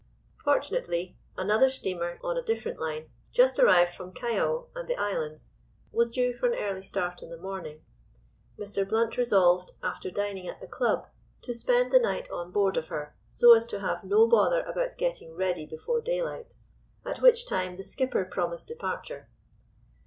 Fortunately, another steamer on a different line, just arrived from Callao and the Islands, was due for an early start in the morning. Mr. Blount resolved, after dining at the club, to spend the night on board of her so as to have no bother about getting ready before daylight, at which time the skipper promised departure.